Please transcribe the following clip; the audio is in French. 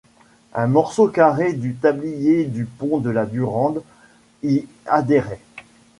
Un morceau carré du tablier du pont de la Durande y adhérait.